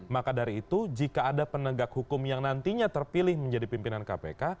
maka dari itu jika ada penegak hukum yang nantinya terpilih menjadi pimpinan kpk